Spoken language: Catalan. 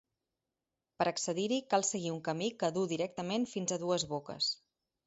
Per a accedir-hi cal seguir un camí que duu directament fins a dues boques.